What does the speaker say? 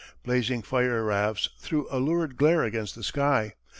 Blazing fire rafts threw a lurid glare against the sky.